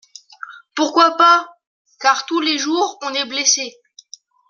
Pourquoi pas ? car tous les jours on est blessé…